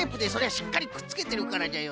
しっかりくっつけてるからじゃよ。